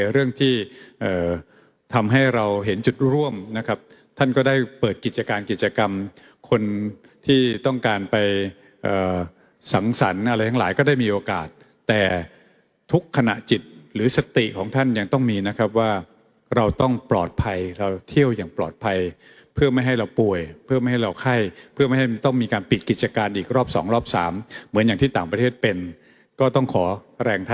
เรื่องที่ทำให้เราเห็นจุดร่วมนะครับท่านก็ได้เปิดกิจการกิจกรรมคนที่ต้องการไปสังสรรค์อะไรทั้งหลายก็ได้มีโอกาสแต่ทุกขณะจิตหรือสติของท่านยังต้องมีนะครับว่าเราต้องปลอดภัยเราเที่ยวอย่างปลอดภัยเพื่อไม่ให้เราป่วยเพื่อไม่ให้เราไข้เพื่อไม่ให้ต้องมีการปิดกิจการอีกรอบสองรอบสามเหมือนอย่างที่ต่างประเทศเป็นก็ต้องขอแรงท